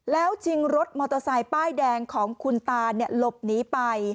แล้วชิงรถมอเตอร์ไซค์ป้ายแดงของคุณตาหลบหนีไป